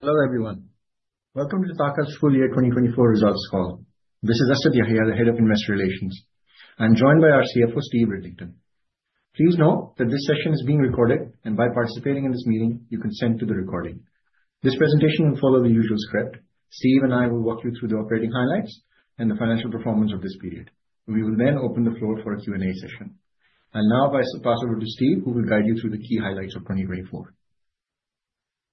Hello everyone. Welcome to the TAQA's Full Year 2024 Results Call. This is Asjad Yahya, the Head of Investor Relations. I'm joined by our CFO, Steve Riddington. Please note that this session is being recorded, and by participating in this meeting, you consent to the recording. This presentation will follow the usual script. Steve and I will walk you through the operating highlights and the financial performance of this period. We will then open the floor for a Q&A session. I'll now pass over to Steve, who will guide you through the key highlights of 2024.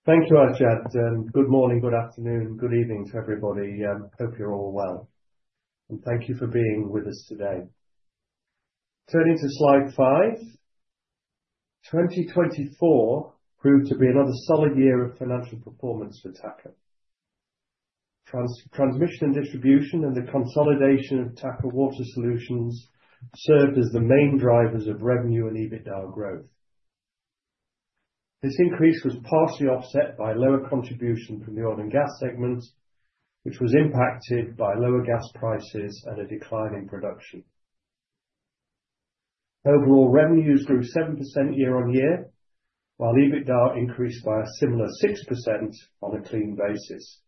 Thank you, Asjad. Good morning, good afternoon, good evening to everybody. Hope you're all well. Thank you for being with us today. Turning to slide five, 2024 proved to be another solid year of financial performance for TAQA. Transmission and distribution and the consolidation of TAQA Water Solutions served as the main drivers of revenue and EBITDA growth. This increase was partially offset by lower contribution from the oil and gas segment, which was impacted by lower gas prices and a decline in production. Overall, revenues grew 7% year on year, while EBITDA increased by a similar 6% on a clean basis.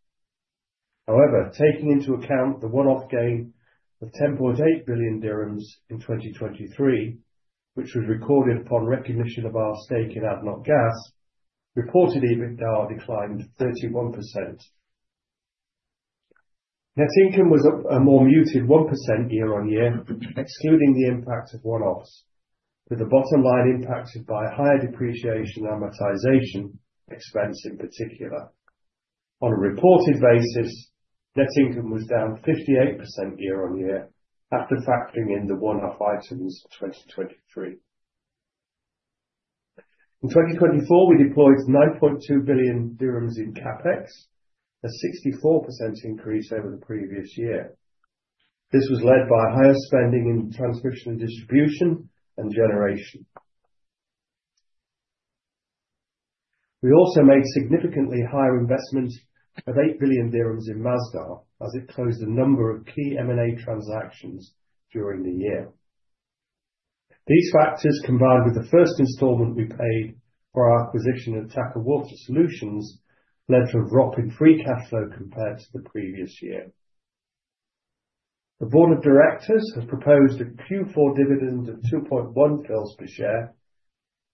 However, taking into account the one-off gain of 10.8 billion dirhams in 2023, which was recorded upon recognition of our stake in ADNOC Gas, reported EBITDA declined 31%. Net income was a more muted one% year on year, excluding the impact of one-offs, with the bottom line impacted by higher depreciation amortization expense in particular. On a reported basis, net income was down 58% year on year after factoring in the one-off items of 2023. In 2024, we deployed 9.2 billion dirhams in CapEx, a 64% increase over the previous year. This was led by higher spending in transmission and distribution and generation. We also made significantly higher investment of 8 billion dirhams in Masdar as it closed a number of key M&A transactions during the year. These factors, combined with the first installment we paid for our acquisition of TAQA Water Solutions, led to a drop in free cash flow compared to the previous year. The Board of Directors has proposed a Q4 dividend of 2.1 fils per share,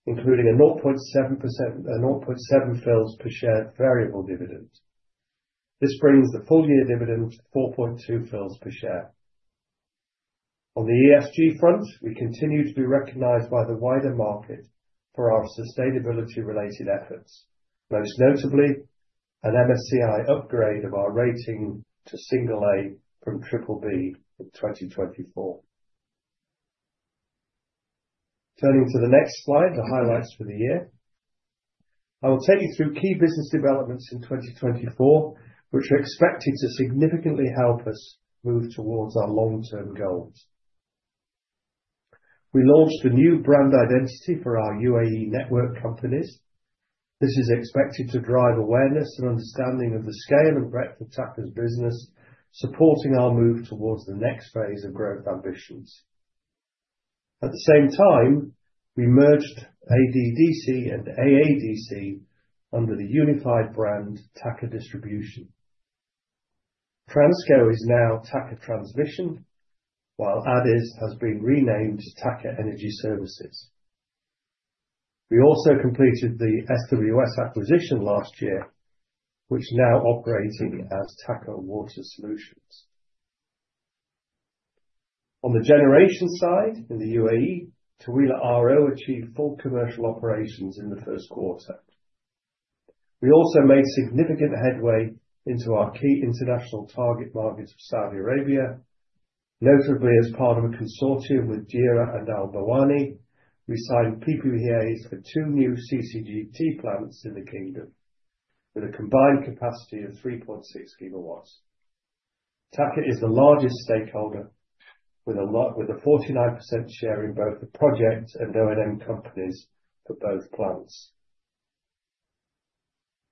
including a 0.7 fils per share variable dividend. This brings the full-year dividend to 4.2 fils per share. On the ESG front, we continue to be recognized by the wider market for our sustainability-related efforts, most notably an MSCI upgrade of our rating to single A from triple B in 2024. Turning to the next slide, the highlights for the year, I will take you through key business developments in 2024, which are expected to significantly help us move towards our long-term goals. We launched a new brand identity for our UAE network companies. This is expected to drive awareness and understanding of the scale and breadth of TAQA's business, supporting our move towards the next phase of growth ambitions. At the same time, we merged ADDC and AADC under the unified brand TAQA Distribution. TRANSCO is now TAQA Transmission, while Abu Dhabi Energy Services has been renamed to TAQA Energy Services. We also completed the SWS acquisition last year, which is now operating as TAQA Water Solutions. On the generation side in the UAE, Taweelah RO achieved full commercial operations in the first quarter. We also made significant headway into our key international target markets of Saudi Arabia, notably as part of a consortium with JERA and Al Bawani Capital. We signed PPAs for two new CCGT plants in the kingdom, with a combined capacity of 3.6 gigawatts. TAQA is the largest stakeholder, with a 49% share in both the project and O&M companies for both plants.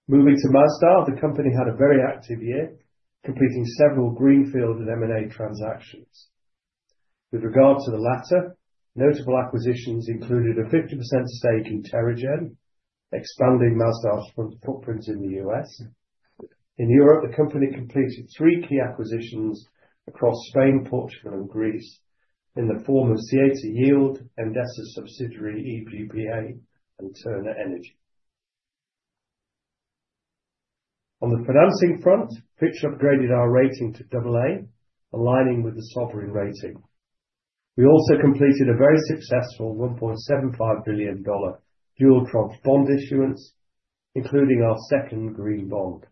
Moving to Masdar, the company had a very active year, completing several greenfield and M&A transactions. With regard to the latter, notable acquisitions included a 50% stake in Terra-Gen, expanding Masdar's footprint in the U.S. In Europe, the company completed three key acquisitions across Spain, Portugal, and Greece in the form of Saeta Yield, Endesa subsidiary EGPE, and Terna Energy. On the financing front, Fitch upgraded our rating to double A, aligning with the sovereign rating. We also completed a very successful $1.75 billion dual tranche bond issuance, including our second green bond.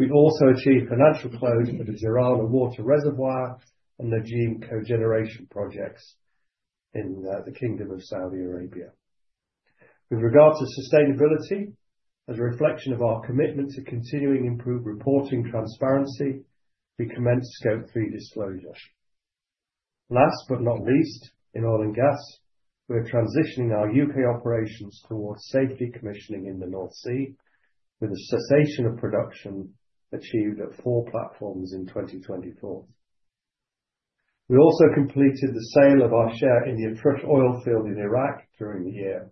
We also achieved financial close for the Juranah water reservoir and Tanajib cogeneration projects in the Kingdom of Saudi Arabia. With regard to sustainability, as a reflection of our commitment to continuing improved reporting transparency, we commenced Scope 3 disclosure. Last but not least, in oil and gas, we're transitioning our U.K. operations towards safety commissioning in the North Sea, with a cessation of production achieved at four platforms in 2024. We also completed the sale of our share in the Atrush oil field in Iraq during the year.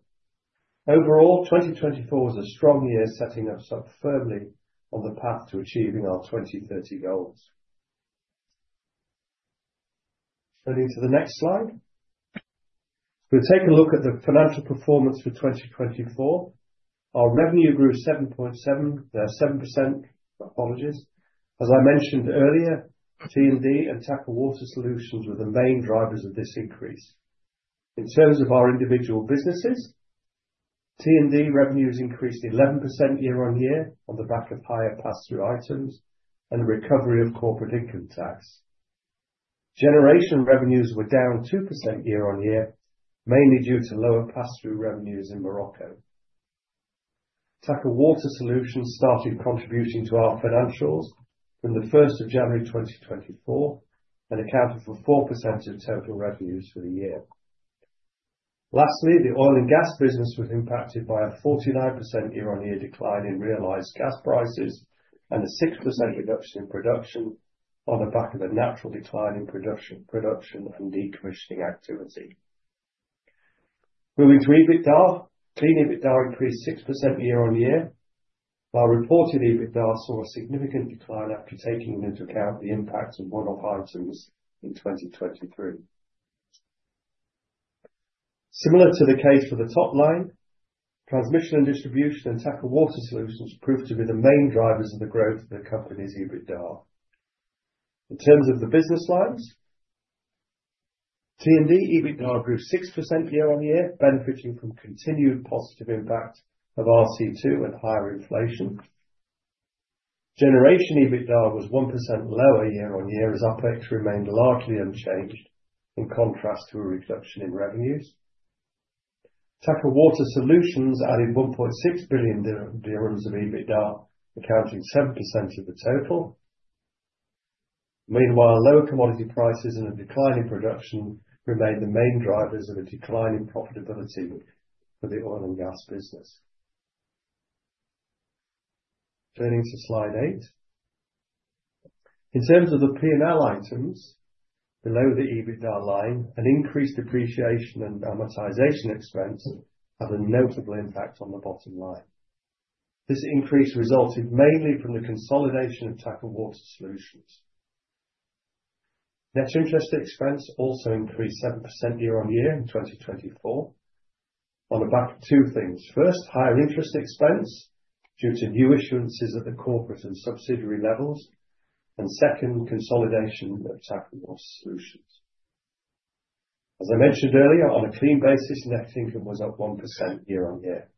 Overall, 2024 was a strong year, setting us up firmly on the path to achieving our 2030 goals. Turning to the next slide, we'll take a look at the financial performance for 2024. Our revenue grew 7.7%. As I mentioned earlier, T&D and TAQA Water Solutions were the main drivers of this increase. In terms of our individual businesses, T&D revenues increased 11% year on year on the back of higher pass-through items and the recovery of corporate income tax. Generation revenues were down 2% year on year, mainly due to lower pass-through revenues in Morocco. TAQA Water Solutions started contributing to our financials from the 1st of January 2024 and accounted for 4% of total revenues for the year. Lastly, the oil and gas business was impacted by a 49% year-on-year decline in realized gas prices and a 6% reduction in production on the back of a natural decline in production and decommissioning activity. Moving to EBITDA, clean EBITDA increased 6% year-on-year, while reported EBITDA saw a significant decline after taking into account the impact of one-off items in 2023. Similar to the case for the top line, transmission and distribution and TAQA Water Solutions proved to be the main drivers of the growth of the company's EBITDA. In terms of the business lines, T&D EBITDA grew 6% year-on-year, benefiting from continued positive impact of RC2 and higher inflation. Generation EBITDA was 1% lower year-on-year as OPEX remained largely unchanged in contrast to a reduction in revenues. TAQA Water Solutions added 1.6 billion dirhams of EBITDA, accounting 7% of the total. Meanwhile, lower commodity prices and a decline in production remained the main drivers of a declining profitability for the oil and gas business. Turning to slide eight, in terms of the P&L items below the EBITDA line, an increased depreciation and amortization expense had a notable impact on the bottom line. This increase resulted mainly from the consolidation of TAQA Water Solutions. Net interest expense also increased 7% year-on-year in 2024 on the back of two things. First, higher interest expense due to new issuances at the corporate and subsidiary levels, and second, consolidation of TAQA Water Solutions. As I mentioned earlier, on a clean basis, net income was up 1% year-on-year.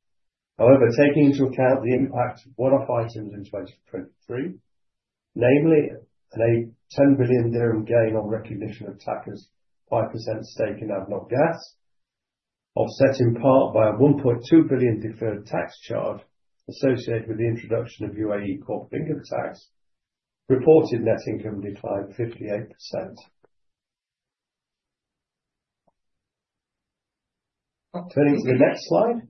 However, taking into account the impact of one-off items in 2023, namely a 10 billion dirham gain on recognition of TAQA's 5% stake in ADNOC Gas, offset in part by a 1.2 billion deferred tax charge associated with the introduction of UAE corporate income tax, reported net income declined 58%. Turning to the next slide,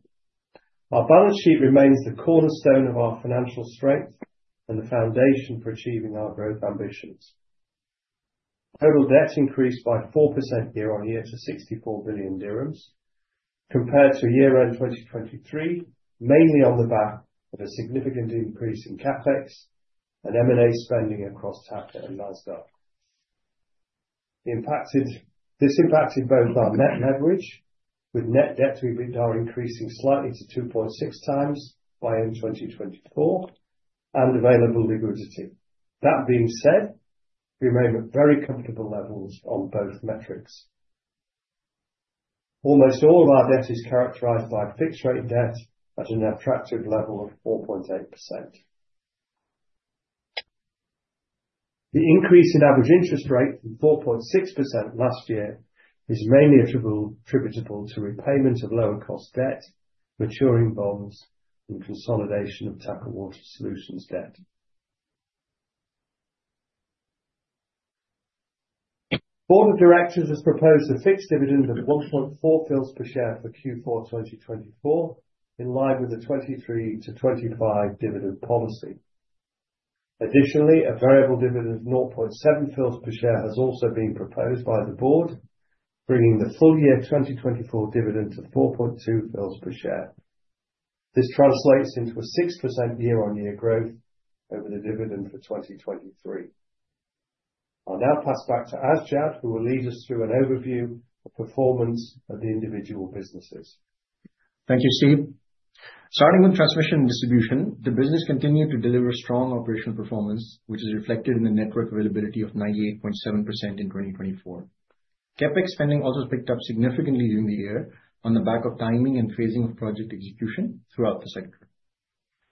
our balance sheet remains the cornerstone of our financial strength and the foundation for achieving our growth ambitions. Total debt increased by 4% year-on-year to 64 billion dirhams, compared to year-end 2023, mainly on the back of a significant increase in CAPEX and M&A spending across TAQA and Masdar. This impacted both our net leverage, with net debt to EBITDA increasing slightly to 2.6 times by end 2024, and available liquidity. That being said, we remain at very comfortable levels on both metrics. Almost all of our debt is characterized by fixed-rate debt at an attractive level of 4.8%. The increase in average interest rate from 4.6% last year is mainly attributable to repayment of lower-cost debt, maturing bonds, and consolidation of TAQA Water Solutions debt. The Board of Directors has proposed a fixed dividend of 1.4 fils per share for Q4 2024, in line with the 2.3 to 2.5 dividend policy. Additionally, a variable dividend of 0.7 fils per share has also been proposed by the board, bringing the full year 2024 dividend to 4.2 fils per share. This translates into a 6% year-on-year growth over the dividend for 2023. I'll now pass back to Asjad, who will lead us through an overview of performance of the individual businesses. Thank you, Steve. Starting with transmission and distribution, the business continued to deliver strong operational performance, which is reflected in the network availability of 98.7% in 2024. CapEx spending also picked up significantly during the year on the back of timing and phasing of project execution throughout the sector.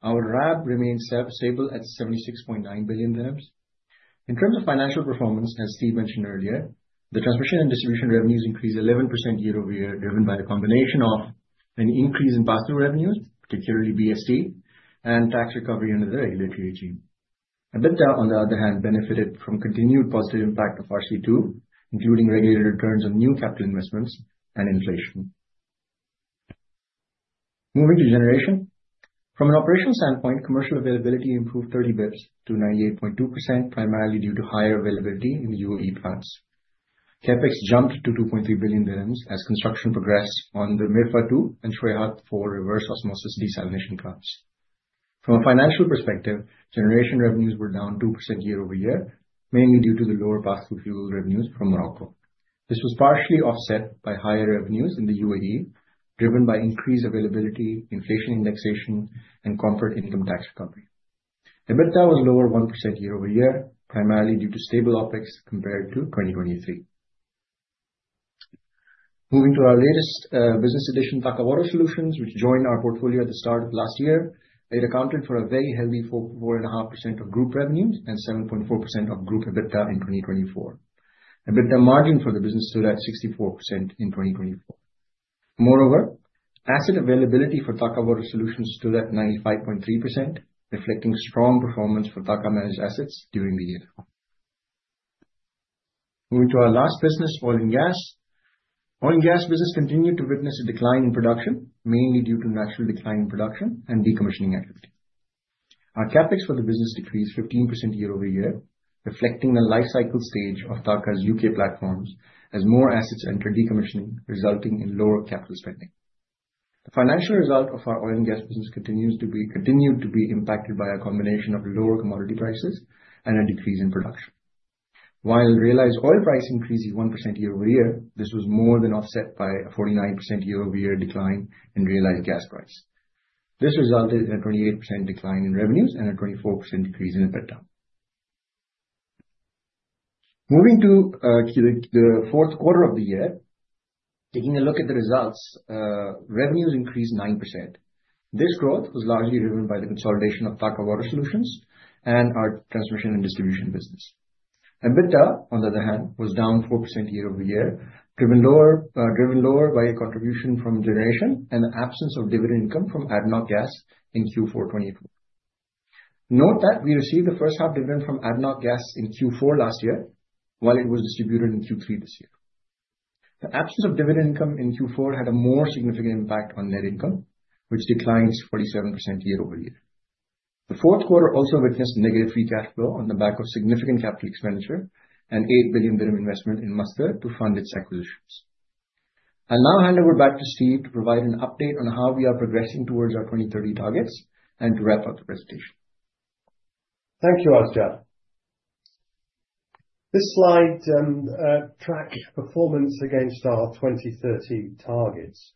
Our RAB remains stable at 76.9 billion dirhams. In terms of financial performance, as Steve mentioned earlier, the transmission and distribution revenues increased 11% year-over-year, driven by the combination of an increase in pass-through revenues, particularly BST, and tax recovery under the regulatory regime. EBITDA, on the other hand, benefited from continued positive impact of RC2, including regulated returns on new capital investments and inflation. Moving to generation, from an operational standpoint, commercial availability improved 30 basis points to 98.2%, primarily due to higher availability in the UAE plants. CAPEX jumped to 2.3 billion dirhams as construction progressed on the Mirfa 2 and Shuweihat 4 reverse osmosis desalination plants. From a financial perspective, generation revenues were down 2% year-over-year, mainly due to the lower pass-through fuel revenues from Morocco. This was partially offset by higher revenues in the UAE, driven by increased availability, inflation indexation, and corporate income tax recovery. EBITDA was lower 1% year-over-year, primarily due to stable OPEX compared to 2023. Moving to our latest business addition, TAQA Water Solutions, which joined our portfolio at the start of last year, it accounted for a very healthy 4.5% of group revenues and 7.4% of group EBITDA in 2024. EBITDA margin for the business stood at 64% in 2024. Moreover, asset availability for TAQA Water Solutions stood at 95.3%, reflecting strong performance for TAQA managed assets during the year. Moving to our last business, oil and gas. Oil and gas business continued to witness a decline in production, mainly due to natural decline in production and decommissioning activity. Our CAPEX for the business decreased 15% year-over-year, reflecting the life cycle stage of TAQA's UK platforms as more assets entered decommissioning, resulting in lower capital spending. The financial result of our oil and gas business continued to be impacted by a combination of lower commodity prices and a decrease in production. While realized oil price increased 1% year-over-year, this was more than offset by a 49% year-over-year decline in realized gas price. This resulted in a 28% decline in revenues and a 24% decrease in EBITDA. Moving to the fourth quarter of the year, taking a look at the results, revenues increased 9%. This growth was largely driven by the consolidation of TAQA Water Solutions and our transmission and distribution business. EBITDA, on the other hand, was down 4% year-over-year, driven lower by a contribution from generation and the absence of dividend income from ADNOC Gas in Q4 2024. Note that we received the first-half dividend from ADNOC Gas in Q4 last year, while it was distributed in Q3 this year. The absence of dividend income in Q4 had a more significant impact on net income, which declined 47% year-over-year. The fourth quarter also witnessed negative free cash flow on the back of significant capital expenditure and 8 billion dirham investment in Masdar to fund its acquisitions. I'll now hand over back to Steve to provide an update on how we are progressing towards our 2030 targets and to wrap up the presentation. Thank you, Asjad. This slide tracks performance against our 2030 targets.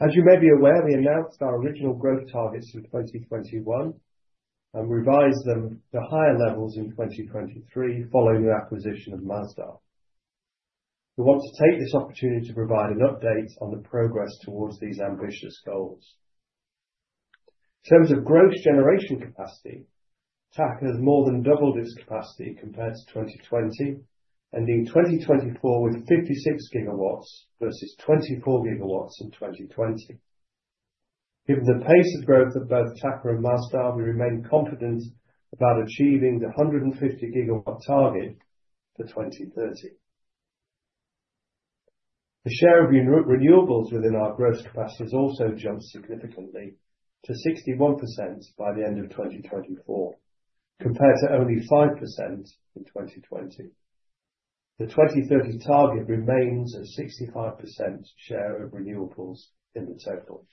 As you may be aware, we announced our original growth targets in 2021 and revised them to higher levels in 2023, following the acquisition of Masdar. We want to take this opportunity to provide an update on the progress towards these ambitious goals. In terms of gross generation capacity, TAQA has more than doubled its capacity compared to 2020, ending 2024 with 56 gigawatts versus 24 gigawatts in 2020. Given the pace of growth of both TAQA and Masdar, we remain confident about achieving the 150 gigawatt target for 2030. The share of renewables within our gross capacity has also jumped significantly to 61% by the end of 2024, compared to only 5% in 2020. The 2030 target remains a 65% share of renewables in the total.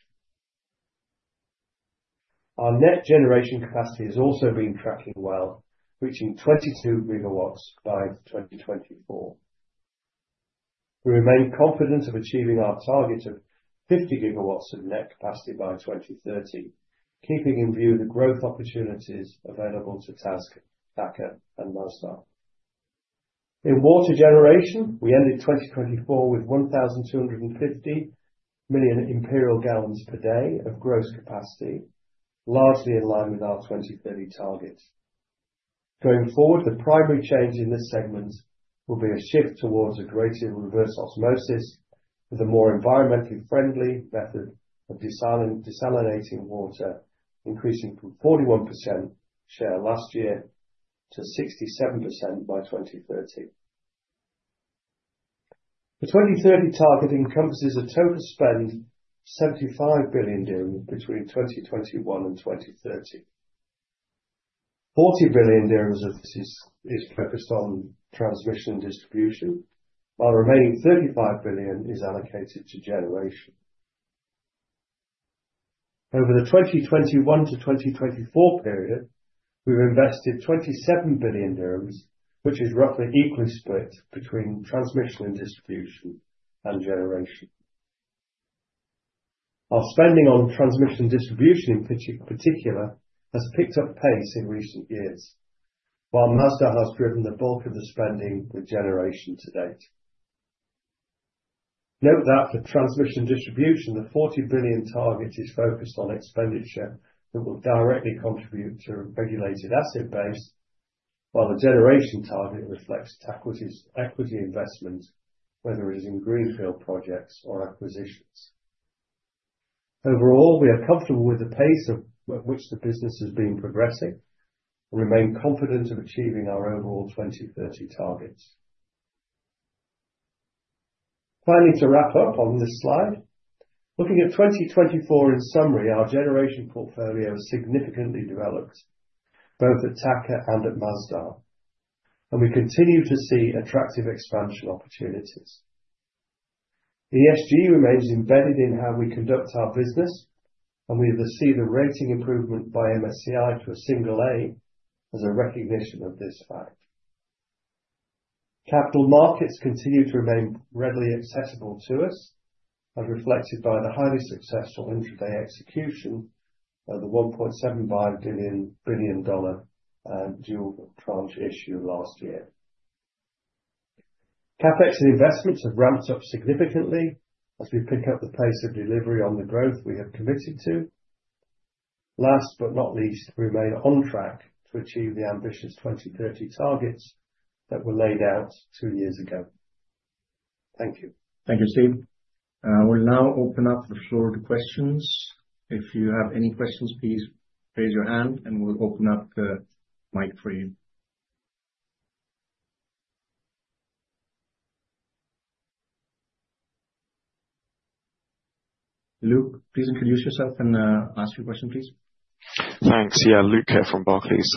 Our net generation capacity has also been tracking well, reaching 22 gigawatts by 2024. We remain confident of achieving our target of 50 gigawatts of net capacity by 2030, keeping in view the growth opportunities available to TAQA and Masdar. In water generation, we ended 2024 with 1,250 million imperial gallons per day of gross capacity, largely in line with our 2030 target. Going forward, the primary change in this segment will be a shift towards a greater reverse osmosis with a more environmentally friendly method of desalinating water, increasing from 41% share last year to 67% by 2030. The 2030 target encompasses a total spend of 75 billion dirham between 2021 and 2030. 40 billion dirhams of this is focused on transmission and distribution, while the remaining 35 billion is allocated to generation. Over the 2021 to 2024 period, we've invested 27 billion dirhams, which is roughly equally split between transmission and distribution and generation. Our spending on transmission and distribution, in particular, has picked up pace in recent years, while Masdar has driven the bulk of the spending with generation to date. Note that for transmission and distribution, the 40 billion target is focused on expenditure that will directly contribute to regulated asset base, while the generation target reflects equity investment, whether it is in greenfield projects or acquisitions. Overall, we are comfortable with the pace at which the business has been progressing and remain confident of achieving our overall 2030 targets. Finally, to wrap up on this slide, looking at 2024, in summary, our generation portfolio has significantly developed, both at TAQA and at Masdar, and we continue to see attractive expansion opportunities. ESG remains embedded in how we conduct our business, and we see the rating improvement by MSCI to a single A as a recognition of this fact. Capital markets continue to remain readily accessible to us, as reflected by the highly successful intraday execution of the $1.75 billion dual tranche issue last year. CapEx and investments have ramped up significantly as we pick up the pace of delivery on the growth we have committed to. Last but not least, we remain on track to achieve the ambitious 2030 targets that were laid out two years ago. Thank you. Thank you, Steve. We'll now open up the floor to questions. If you have any questions, please raise your hand, and we'll open up the mic for you. Luke, please introduce yourself and ask your question, please. Thanks. Yeah, Luke here from Barclays.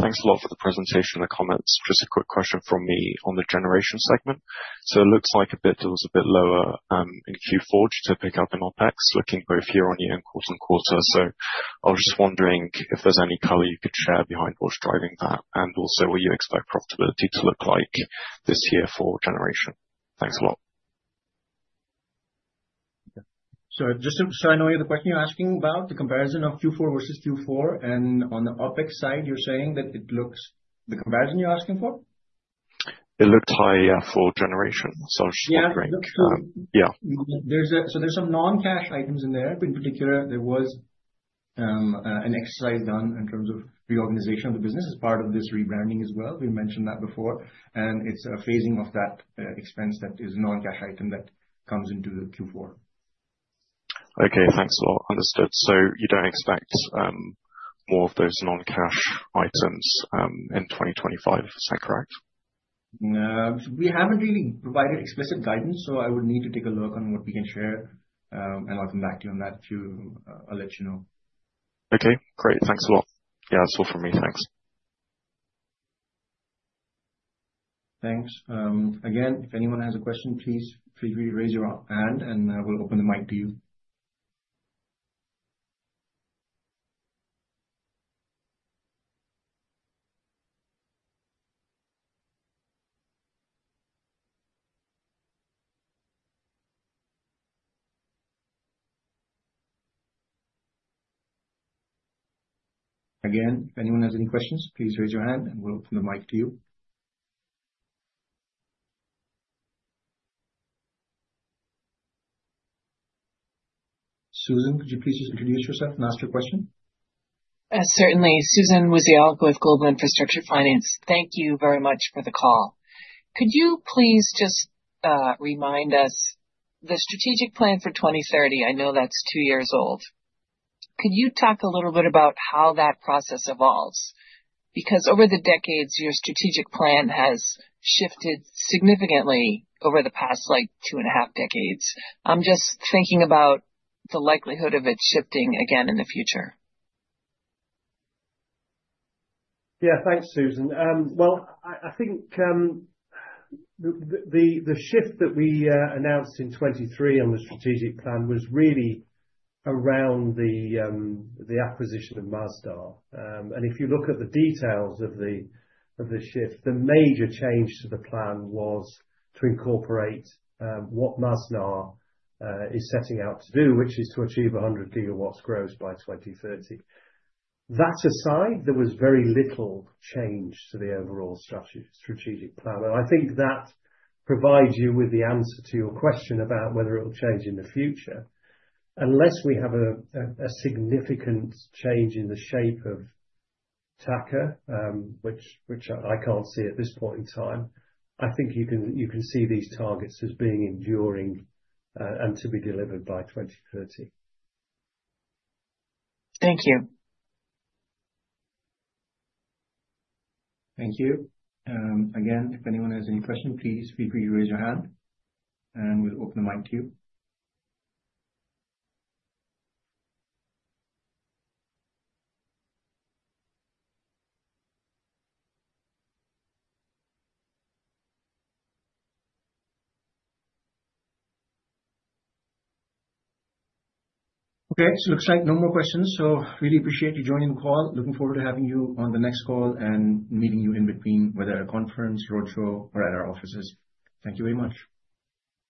Thanks a lot for the presentation and the comments. Just a quick question from me on the generation segment. So it looks like EBITDA was a bit lower in Q4 due to pick up in OPEX, looking both year-on-year and quarter-on-quarter. So I was just wondering if there's any color you could share behind what's driving that, and also, what you expect profitability to look like this year for generation. Thanks a lot. So, just so I know, the question you're asking about the comparison of Q4 versus Q4, and on the OPEX side, you're saying that it looks the comparison you're asking for? It looked higher for generation. So I was just wondering. Yeah, look through. Yeah. So there's some non-cash items in there. In particular, there was an exercise done in terms of reorganization of the business as part of this rebranding as well. We mentioned that before, and it's a phasing of that expense that is a non-cash item that comes into the Q4. Okay, thanks. Well, understood. So you don't expect more of those non-cash items in 2025, is that correct? We haven't really provided explicit guidance, so I would need to take a look on what we can share, and I'll come back to you on that. I'll let you know. Okay, great. Thanks a lot. Yeah, that's all from me. Thanks. Thanks. Again, if anyone has a question, please feel free to raise your hand, and I will open the mic to you. Again, if anyone has any questions, please raise your hand, and we'll open the mic to you. Susan, could you please just introduce yourself and ask your question? Certainly. Susan Wisialkon with Global Infrastructure Finance. Thank you very much for the call. Could you please just remind us the strategic plan for 2030? I know that's two years old. Could you talk a little bit about how that process evolves? Because over the decades, your strategic plan has shifted significantly over the past two and a half decades. I'm just thinking about the likelihood of it shifting again in the future. Yeah, thanks, Susan. Well, I think the shift that we announced in 2023 on the strategic plan was really around the acquisition of Masdar. And if you look at the details of the shift, the major change to the plan was to incorporate what Masdar is setting out to do, which is to achieve 100 gigawatts gross by 2030. That aside, there was very little change to the overall strategic plan. And I think that provides you with the answer to your question about whether it'll change in the future. Unless we have a significant change in the shape of TAQA, which I can't see at this point in time, I think you can see these targets as being enduring and to be delivered by 2030. Thank you. Thank you. Again, if anyone has any question, please feel free to raise your hand, and we'll open the mic to you. Okay, so it looks like no more questions. So really appreciate you joining the call. Looking forward to having you on the next call and meeting you in between, whether at a conference, roadshow, or at our offices. Thank you very much.